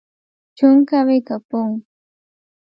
چونګ کوې که پونګ؟